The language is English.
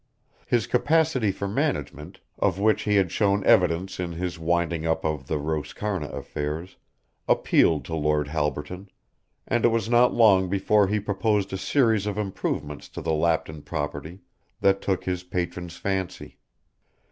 His capacity for management, of which he had shown evidence in his winding up of the Roscarna affairs, appealed to Lord Halberton, and it was not long before he proposed a series of improvements to the Lapton property that took his patron's fancy.